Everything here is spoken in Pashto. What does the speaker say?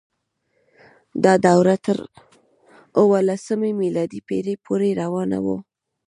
دا دوره تر اوولسمې میلادي پیړۍ پورې روانه وه.